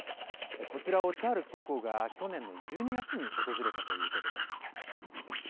こちらをチャールズ国王が去年の１２月に訪れたということです。